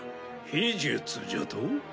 秘術じゃと？